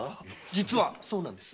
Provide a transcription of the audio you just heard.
実はそうなんです。